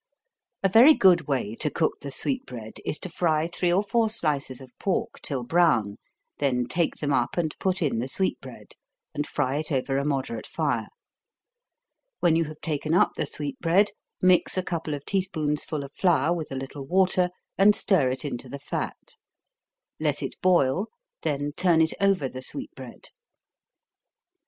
_ A very good way to cook the sweet bread, is to fry three or four slices of pork till brown, then take them up and put in the sweet bread, and fry it over a moderate fire. When you have taken up the sweet bread, mix a couple of tea spoonsful of flour with a little water, and stir it into the fat let it boil, then turn it over the sweet bread.